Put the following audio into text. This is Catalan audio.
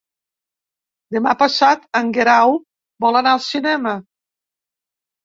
Demà passat en Guerau vol anar al cinema.